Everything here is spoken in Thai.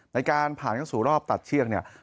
ในการผ่านกันสู่รอบตัดเชี่ยง